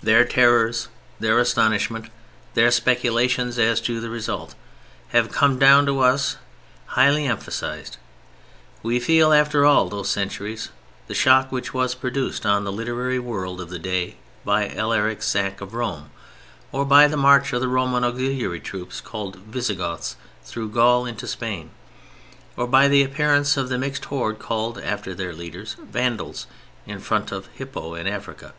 Their terrors, their astonishment, their speculations as to the result, have come down to us highly emphasized. We feel after all those centuries the shock which was produced on the literary world of the day by Alaric's sack of Rome, or by the march of the Roman auxiliary troops called "Visigoths" through Gaul into Spain, or by the appearance of the mixed horde called—after their leaders—"Vandals" in front of Hippo in Africa.